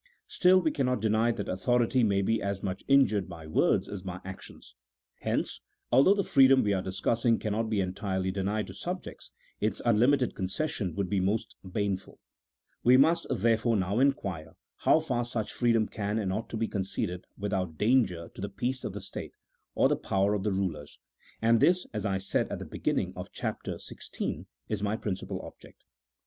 Still we cannot deny that authority may be as much injured by words as by actions ; hence, although the freedom we are discussing cannot be entirely denied to sub jects, its unlimited concession would be most baneful ; we must, therefore, now inquire, how far such freedom can and ought to be conceded without danger to the peace of the state, or the power of the rulers ; and this, as I said at the beginning of Chapter XVI., is my principal object.